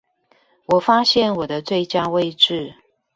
我發現我的最佳位置